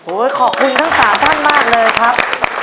ขอบคุณทั้ง๓ท่านมากเลยครับ